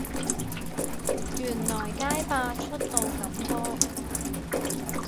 原來街霸出到咁多